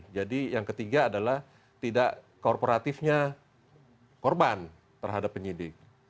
jadi yang ketiga adalah tidak korporatifnya korban terhadap penyidik